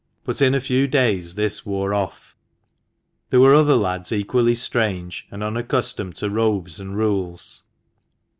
But in a few days this wore off. There were other lads equally strange and unaccustomed to robes and rules.